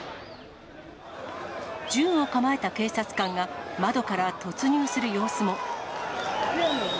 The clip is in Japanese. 銃を構えた警察官が窓から突入する様子も。